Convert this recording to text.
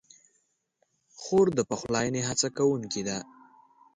خور د پخلاینې هڅه کوونکې ده.